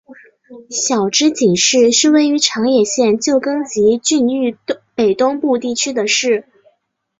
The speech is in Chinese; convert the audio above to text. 筱之井市是位于长野县旧更级郡域北东部地区的市。